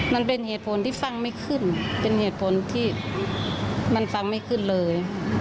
มันเป็นเหตุผลที่ฟังไม่ขึ้นเป็นเหตุผลที่มันฟังไม่ขึ้นเลย